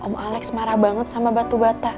om alex marah banget sama batu bata